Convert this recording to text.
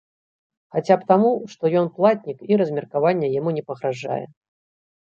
Хаця б таму, што ён платнік і размеркаванне яму не пагражае.